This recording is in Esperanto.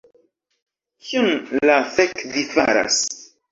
Kion la fek' vi faras